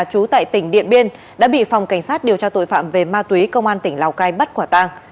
trú tại tỉnh điện biên đã bị phòng cảnh sát điều tra tội phạm về ma túy công an tỉnh lào cai bắt quả tàng